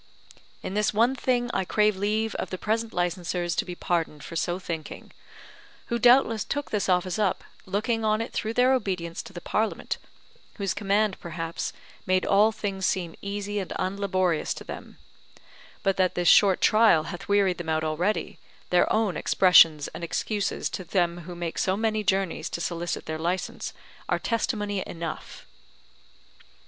In this one thing I crave leave of the present licensers to be pardoned for so thinking; who doubtless took this office up, looking on it through their obedience to the Parliament, whose command perhaps made all things seem easy and unlaborious to them; but that this short trial hath wearied them out already, their own expressions and excuses to them who make so many journeys to solicit their licence are testimony enough.